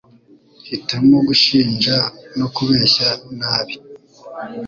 hitamo gushinja no kubeshya nabi